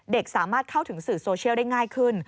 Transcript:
สามารถเข้าถึงสื่อโซเชียลได้ง่ายขึ้น